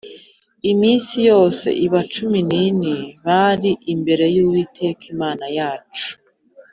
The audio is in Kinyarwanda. Iminsi yose iba cumi n’ine bari imbere y’Uwiteka Imana yacu